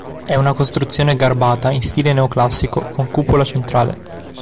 È una costruzione garbata in stile neoclassico, con cupola centrale.